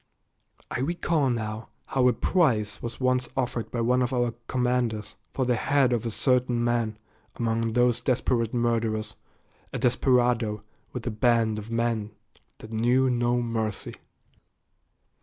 I recall now how a prize was once offered by one of our commanders for the head of a certain man among those desperate murderers, a desperado with a band of men that knew no mercy.